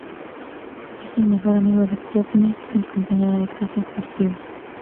Es el mejor amigo de Katniss y compañero de caza furtiva.